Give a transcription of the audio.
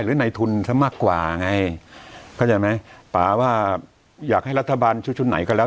ในทุนซะมากกว่าไงเข้าใจไหมป่าว่าอยากให้รัฐบาลชุดชุดไหนก็แล้ว